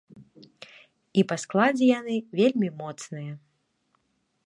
І па складзе яны вельмі моцныя.